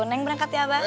nek berangkat ya abah